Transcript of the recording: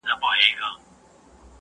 راځئ چي د نفرت پر ځای مینه خپره کړو.